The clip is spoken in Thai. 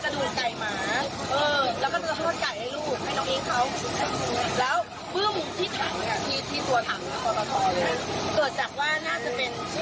แล้วเราก็ใช้คำบอกภาพไฟประมาณ๑๕นาที